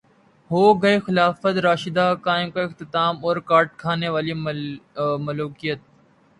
ہوگئے خلافت راشدہ کا اختتام اور کاٹ کھانے والی ملوکیت